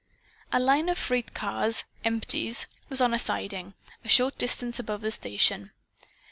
A line of freight cars "empties" was on a siding, a short distance above the station.